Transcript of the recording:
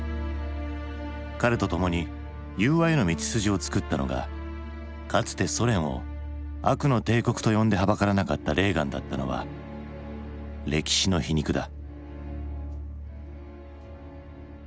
彼とともに融和への道筋を作ったのがかつてソ連を悪の帝国と呼んではばからなかったレーガンだったのは歴史の皮肉だ。